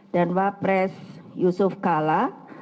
dan wapres yusuf kalla